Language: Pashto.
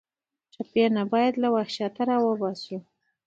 ټپي ته باید له وحشته راوباسو.